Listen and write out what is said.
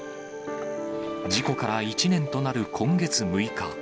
事故から１年となる今月６日。